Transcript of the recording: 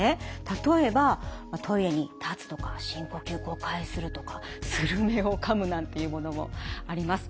例えば「トイレに立つ」とか「深呼吸５回する」とか「するめを噛む」なんていうものもあります。